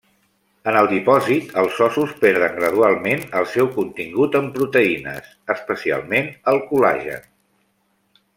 En el dipòsit, els ossos perden gradualment el seu contingut en proteïnes, especialment el col·lagen.